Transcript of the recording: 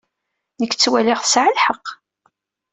Nekk ttwaliɣ tesɛa lḥeqq.